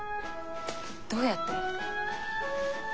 どうやって？